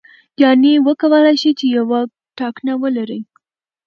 یعنې وکولای شي یوه ټاکنه ولري.